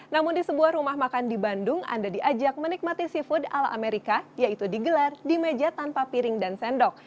namun di sebuah rumah makan di bandung anda diajak menikmati seafood ala amerika yaitu digelar di meja tanpa piring dan sendok